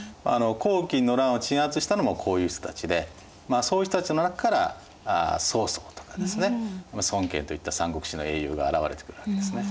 黄巾の乱を鎮圧したのもこういう人たちでそういう人たちの中から曹操とかですね孫権といった「三国志」の英雄が現れてくるわけですね。